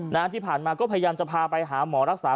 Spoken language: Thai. ที่ผ่านมาก็พยายามจะพาไปหาหมอรักษา